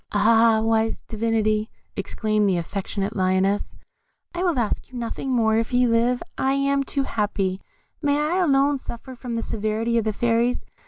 "Ah! wise Divinity," exclaimed the affectionate Lioness, "I will ask you nothing more; if he live, I am too happy. May I alone suffer from the severity of the Fairies!